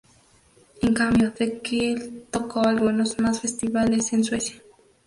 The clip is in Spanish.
En cambio The Quill tocó algunos más festivales en Suecia.